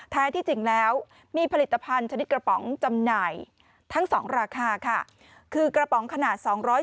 แท้ที่จริงแล้วมีผลิตภัณฑ์ชนิดกระป๋องจำหน่ายทั้ง๒ราคา